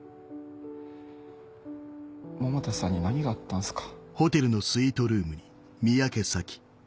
百田さんに何があったんすか。